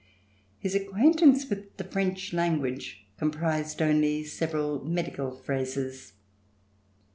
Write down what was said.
His acquaintance with the French language com prised only several medical phrases.